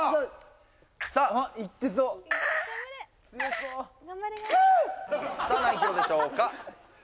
さあ何キロでしょうか？